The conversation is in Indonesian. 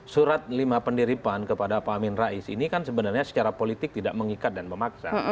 surat lima pendiri pan kepada pak amin rais ini kan sebenarnya secara politik tidak mengikat dan memaksa